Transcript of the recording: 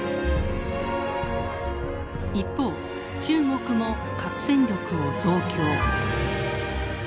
一方中国も核戦力を増強。